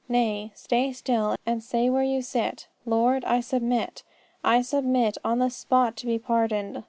Nay, stay still, and say where you sit, Lord, I submit. I submit on the spot to be pardoned.